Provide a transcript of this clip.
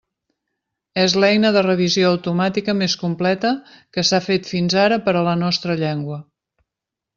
És l'eina de revisió automàtica més completa que s'ha fet fins ara per a la nostra llengua.